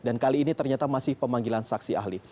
dan kali ini ternyata masih pemanggilan saksi ahli